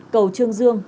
cầu trương dương